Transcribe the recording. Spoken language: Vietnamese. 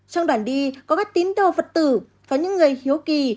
trong đoạn đi có các tín đồ phật tử có những người hiếu kỳ